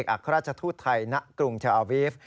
อักราชทูตไทยณกรุงเทียวอาวิฟต์